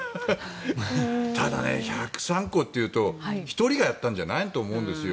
ただ、１０３個というと１人がやったんじゃないと思うんですよ。